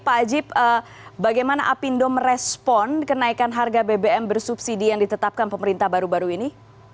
pak ajib bagaimana apindo merespon kenaikan harga bbm bersubsidi yang ditetapkan pemerintah baru baru ini